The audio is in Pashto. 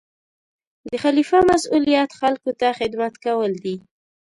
د خلیفه مسؤلیت خلکو ته خدمت کول دي.